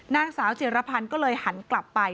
นางสาวเจียรพรรณก็เลยหันกลับไป